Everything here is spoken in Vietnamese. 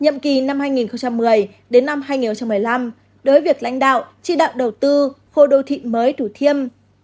nhiệm kỳ năm hai nghìn một mươi đến năm hai nghìn một mươi năm đối với việc lãnh đạo chỉ đạo đầu tư khu đô thị mới thủ thiêm